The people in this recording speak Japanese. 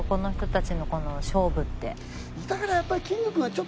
だからやっぱり。